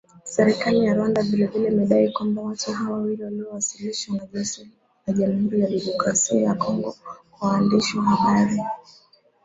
Serikali ya Rwanda vile vile imedai kwamba watu hao wawili waliowasilishwa na jeshi la Jamhuri ya Kidemokrasia ya Kongo kwa waandishi wa habari